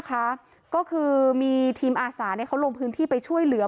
ก็คือมีทีมอาสาเขาลงพื้นที่ไปช่วยเหลือ